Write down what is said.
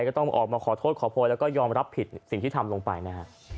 ก็ต้องออกมาขอโทษขอโพยแล้วก็ยอมรับผิดสิ่งที่ทำลงไปนะฮะ